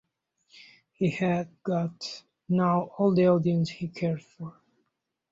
He had got now all the audience he cared for.